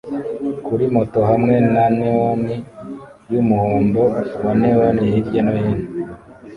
kuri moto hamwe na neon yumuhondo wa neon hirya no hino